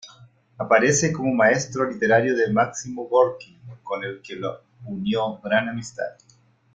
Aparece como maestro literario de Máximo Gorki, con el que lo unió gran amistad.